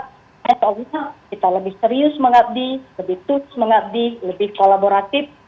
soalnya kita lebih serius mengabdi lebih tuts mengabdi lebih kolaboratif